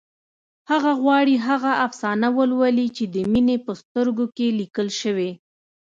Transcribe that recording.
هغه غواړي هغه افسانه ولولي چې د مينې په سترګو کې لیکل شوې